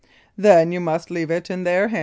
Then you must leave it in their hands.